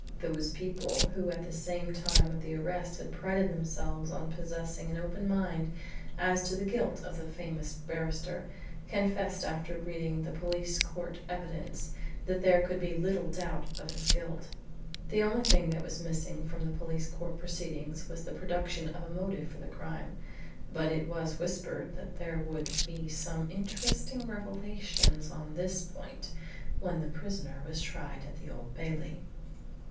Those people who at the time of the arrest had prided themselves on possessing an open mind as to the guilt of the famous barrister, confessed after reading the police court evidence that there could be little doubt of his guilt. The only thing that was missing from the police court proceedings was the production of a motive for the crime, but it was whispered that there would be some interesting revelations on this point when the prisoner was tried at the Old Bailey.